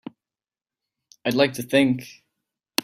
I'd like to think.